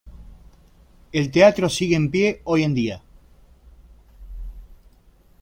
El teatro sigue en pie hoy en día.